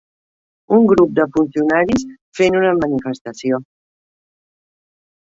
Un grup de funcionaris fent una manifestació.